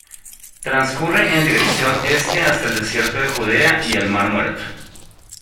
Transcurre en dirección Este hasta el desierto de Judea y el mar Muerto.